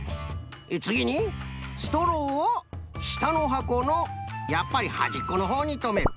つぎにストローをしたのはこのやっぱりはじっこのほうにとめる。